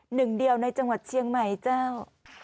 หนึ่งเดียวในจังหวัดเชียงใหม่เจ้า